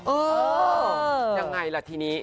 เออยังไงล่ะทีนี้